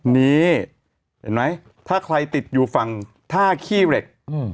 นี่เห็นไหมถ้าใครติดอยู่ฝั่งท่าขี้เหล็ก